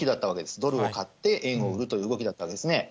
ドルを買って円を売るという動きだったんですね。